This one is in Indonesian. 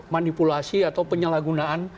manipulasi atau penyalahgunaan